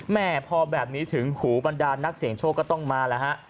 แม่พอแบบนี้ถึงหูบรรดานนักเสียงโชคก็ต้องมาแล้วฮะ